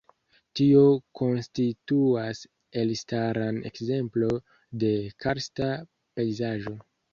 Tio konstituas elstaran ekzemplo de karsta pejzaĝo.